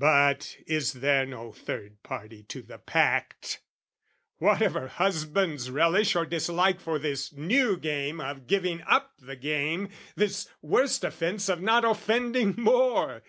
But is there no third party to the pact? What of her husband's relish or dislike For this new game of giving up the game, This worst offence of not offending more?